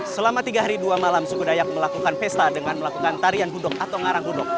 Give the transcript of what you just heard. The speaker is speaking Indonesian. selama tiga hari dua malam suku dayak melakukan pesta dengan melakukan tarian gudok atau ngarang hudok